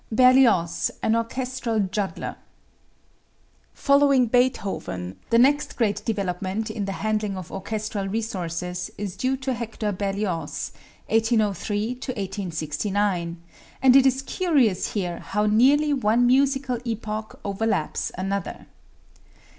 Berlioz, an Orchestral Juggler. Following Beethoven, the next great development in the handling of orchestral resources is due to Hector Berlioz (1803 1869), and it is curious here how nearly one musical epoch overlaps another.